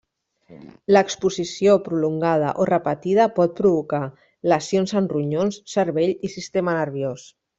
L'exposició prolongada o repetida pot provocar: lesions en ronyons, cervell i sistema nerviós.